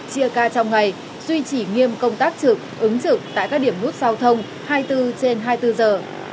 chia ca trong ngày duy trì nghiêm công tác trực ứng trực tại các điểm nút giao thông hai mươi bốn trên hai mươi bốn giờ